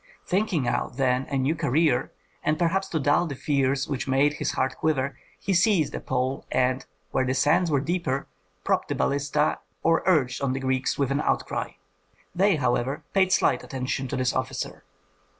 Thinking out then a new career, and perhaps to dull the fears which made his heart quiver, he seized a pole and, where the sands were deeper, propped the balista, or urged on the Greeks with an outcry. They, however, paid slight attention to this officer.